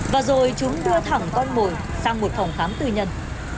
và rồi chúng đưa thẳng con mồi sang một phòng khám tư nhân